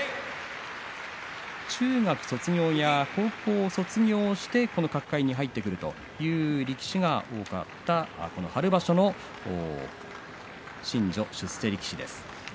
中学卒業や高校を卒業してこの角界に入ってくるという力士が多かった、この春場所の新序出世力士です。